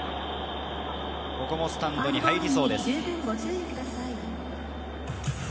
ここもスタンドに入りそうです。